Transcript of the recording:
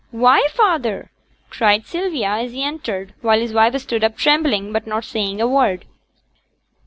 'Why, feyther!' cried Sylvia as he entered; while his wife stood up trembling, but not saying a word.